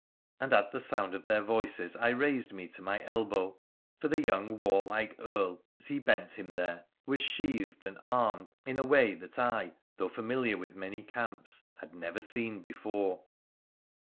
' And at the sound of their voices I raised me to my elbow, for the young warlike Earl, as he bent him there, was sheathed and armed in a way H2 WONDERFUL ADVENTURES OF that I, though familiar with many camps, had never seen before.